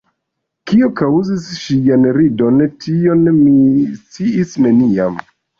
Kio kaŭzis ŝian ridon, tion mi sciis neniam.